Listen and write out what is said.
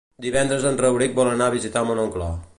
Divendres en Rauric vol anar a visitar mon oncle.